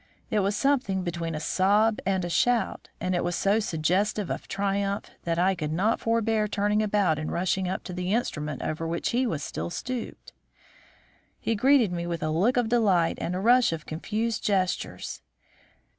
It was something between a sob and a shout, and it was so suggestive of triumph that I could not forbear turning about and rushing up to the instrument over which he still stooped. He greeted me with a look of delight and a rush of confused gestures.